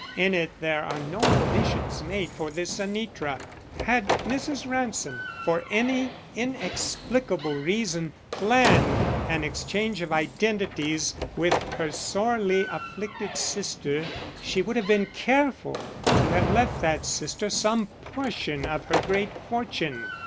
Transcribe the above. In it there are no provisions made for this Anitra. Had Mrs. Ransom, for any inexplicable reason, planned an exchange of identities with her sorely afflicted sister, she would have been careful to have left that sister some portion of her great fortune.